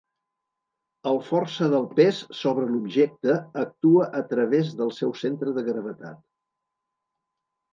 El força del pes sobre l'objecte actua a través del seu centre de gravetat.